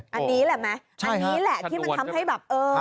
อันนี้แหละที่มันทำให้แบบ